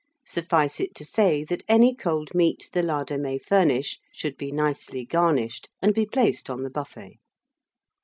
Suffice it to say, that any cold meat the larder may furnish, should be nicely garnished, and be placed on the buffet.